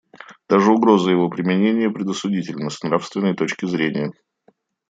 Даже угроза его применения предосудительна с нравственной точки зрения.